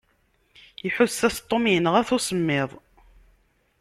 Iḥuss-as Tom yenɣa-t usemmiḍ.